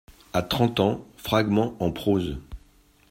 A trente ans, fragment en prose.